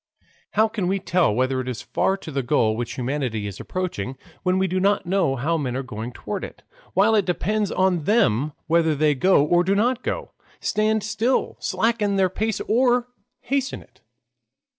How can we tell whether it is far to the goal which humanity is approaching, when we do not know how men are going toward it, while it depends on them whether they go or do not go, stand still, slacken their pace or hasten it?